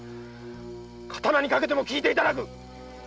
刀に懸けてもきいていただく！